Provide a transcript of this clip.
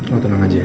lo tenang aja ya